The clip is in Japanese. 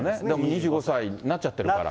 ２５歳になっちゃってるから。